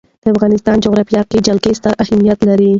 د افغانستان جغرافیه کې جلګه ستر اهمیت لري.